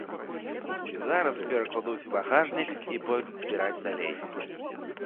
Зараз перакладуць у багажнік і пойдуць збіраць далей.